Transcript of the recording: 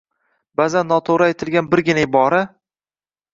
Ba’zan noto‘g‘ri aytilgan birgina ibora